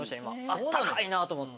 あったかいなと思って。